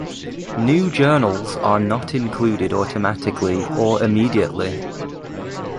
New journals are not included automatically or immediately.